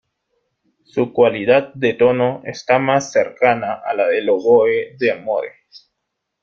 Su cualidad de tono está más cercana a la del oboe d'amore.